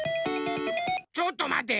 ちょっとまて。